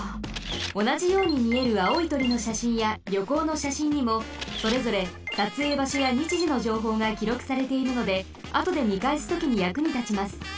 おなじようにみえるあおいとりのしゃしんやりょこうのしゃしんにもそれぞれさつえいばしょやにちじのじょうほうがきろくされているのであとでみかえすときにやくにたちます。